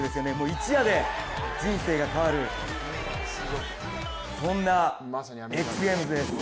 一夜で人生が変わる、そんなＸＧＡＭＥＳです。